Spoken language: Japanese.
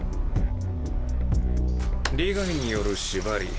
利害による縛り。